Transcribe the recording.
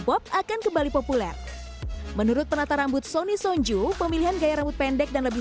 pop akan kembali populer menurut penata rambut sony sonju pemilihan gaya rambut pendek dan lebih